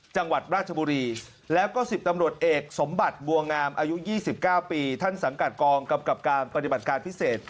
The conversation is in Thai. จังหวัดราชบุรีแล้วก็๑๐ตำรวจเอกสมบัติบัวงามอายุ๒๙ปีท่านสังกัดกองกำกับการปฏิบัติการพิเศษ